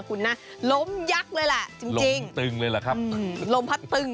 คุณน่ะล้มยักษ์เลยล่ะจริงจริงล้มตึงเลยล่ะครับอืมล้มพัดตึง